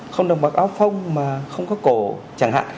không được mặc áo phong mà không có cổ chẳng hạn